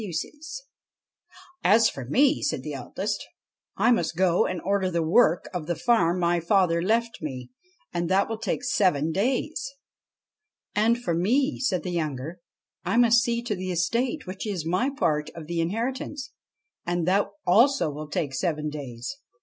[See page 69 IVAN AND THE CHESTNUT HORSE 1 As for me,' said the eldest, ' I must go and order the work of the farm my father left me, and that will take seven days.' ' And for me,' said the younger, ' I must see to the estate which is my part of the inheritance, and that also will take seven days.'